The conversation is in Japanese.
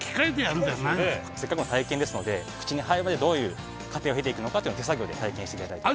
せっかくの体験ですので口に入るまでどういう過程を経ていくのか手作業で体験していただいて。